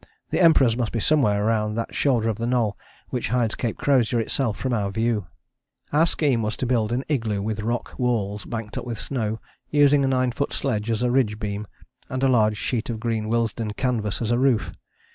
The Emperors must be somewhere round that shoulder of the Knoll which hides Cape Crozier itself from our view. Our scheme was to build an igloo with rock walls, banked up with snow, using a nine foot sledge as a ridge beam, and a large sheet of green Willesden canvas as a roof.